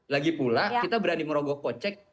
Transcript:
lagi pula kita berani merogoh kocek